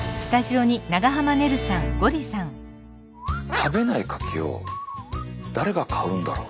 食べないカキを誰が買うんだろう？